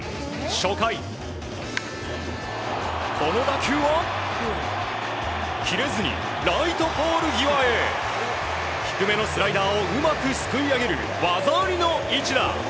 初回、この打球を切れずにライトポール際へ低めのスライダーをうまくすくい上げる技ありの一打。